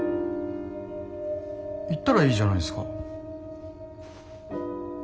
行ったらいいじゃないですか。